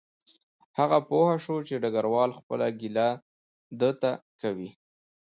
هغه پوه شو چې ډګروال خپله ګیله ده ته کوي